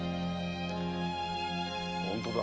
本当だ！